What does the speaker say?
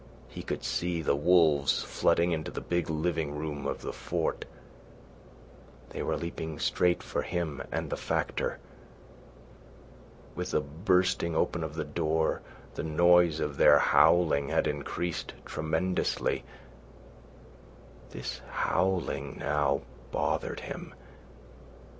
He could see the wolves flooding into the big living room of the fort. They were leaping straight for him and the Factor. With the bursting open of the door, the noise of their howling had increased tremendously. This howling now bothered him.